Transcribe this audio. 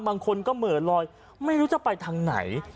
บางคนก็เหมือนลอยไม่รู้จะไปทางไหน